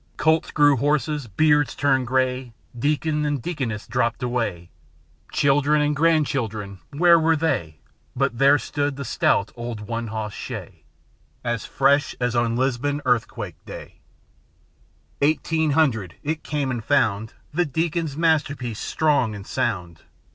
Colts grew horses, beards turned gray, Deacon and deaconess dropped away, Children and grandchildren â where were they? But there stood the stout old one hoss shay As fresh as on Lisbon earthquake day I Eighteen hundred; â it came and found The deacon's masterpiece strong and sound.